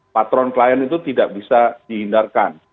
patron klien itu tidak bisa dihindarkan